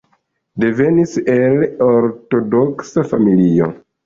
Devenis el ortodoksa familio.